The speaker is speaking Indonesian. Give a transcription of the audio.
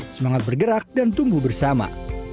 semangat bergerak dan tumbuh bersama